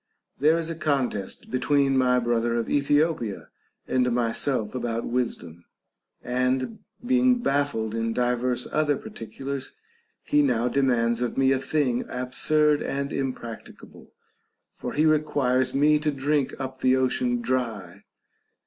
There is a contest between my brother of Ethiopia and mvself about wisdom ; and beinii baffled in divers other particulars, he now demands of me a thing absurd and impracticable ; for he requires me to drink up 14 THE BANQUET OF THE SEVEN WISE MEN. the ocean dry.